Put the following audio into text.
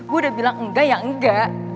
gue udah bilang enggak ya enggak